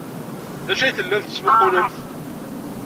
D acu ay tellamt tettmuqqulemt?